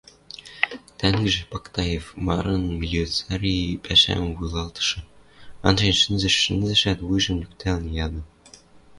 Тӓнгжӹ, Пактаев, — марын, мелиораци пӓшӓм вуйлатышы, анжен шӹнзӹш-шӹнзӹшӓт, вуйжым лӱктӓлӹн, яды: